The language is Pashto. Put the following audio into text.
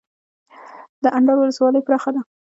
د اندړ ولسوالۍ پراخه ده